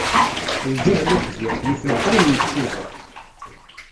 Lǧahel uqbiḥ, yif lxayen n ttuba.